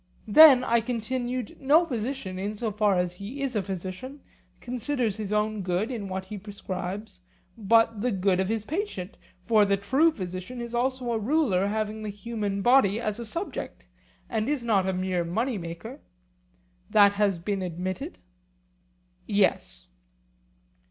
Then, I continued, no physician, in so far as he is a physician, considers his own good in what he prescribes, but the good of his patient; for the true physician is also a ruler having the human body as a subject, and is not a mere money maker; that has been admitted? Yes.